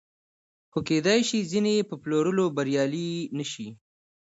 خو کېدای شي ځینې یې په پلورلو بریالي نشي